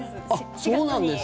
そうなんです。